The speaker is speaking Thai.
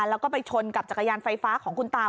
แล้วก็ไปชนกับจักรยานไฟฟ้าของคุณตา